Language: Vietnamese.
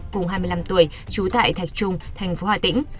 cùng hai mươi năm tuổi trú tại thạch trung thành phố hà tĩnh